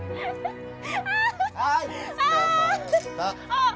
あっ！